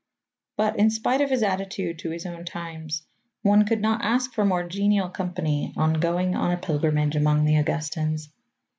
But, in spite of his attitude to his own times, one could not ask for more genial company on going on a pilgrimage among the Augustans.